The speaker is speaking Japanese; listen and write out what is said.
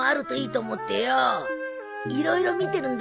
色々見てるんだ。